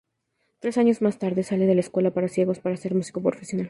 Tres años más tarde, sale de la escuela para ciegos para ser músico profesional.